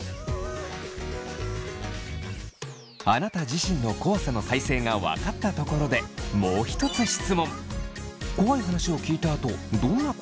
あなた自身の怖さの耐性が分かったところでもう一つ質問。